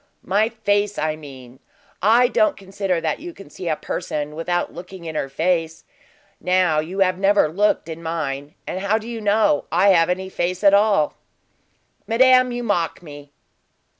"My face, I mean. I don't consider that you can see a person without looking in her face. Now you have never looked in mine, and how do you know I have any face at all?" "Madame, you mock me."